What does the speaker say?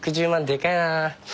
でかいな。